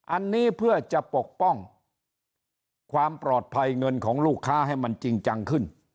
อันนี้เพื่อจะปกป้องความปลอดภัยเงินของลูกค้าให้มันจริงจังขึ้น